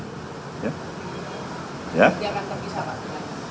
nanti akan terpisah pak